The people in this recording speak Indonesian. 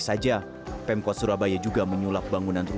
di laboratorium ini pemkot surabaya juga menjelaskan kebun anggrek